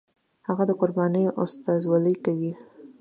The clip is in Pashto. هغه د قربانۍ استازولي کوي.